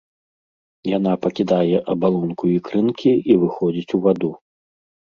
Яна пакідае абалонку ікрынкі і выходзіць у ваду.